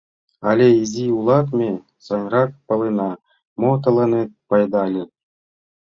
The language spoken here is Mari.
Але изи улат, ме сайынрак палена, мо тыланет пайдале».